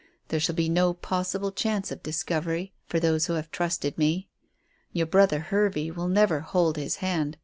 There shall be no possible chance of discovery for those who have trusted me. Your brother Hervey will never hold his hand.